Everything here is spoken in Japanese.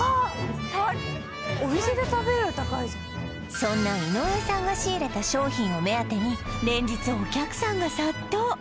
高いそんな井上さんが仕入れた商品を目当てに連日お客さんが殺到